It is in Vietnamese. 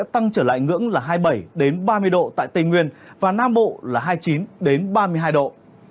tăng trở lại ngưỡng là hai mươi bảy ba mươi độ tại tây nguyên và nam bộ là hai mươi chín ba mươi hai độ